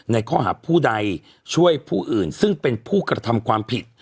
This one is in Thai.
ในข้อหาผู้ใดช่วยผู้อื่นซึ่งเป็นผู้กระทำความผิด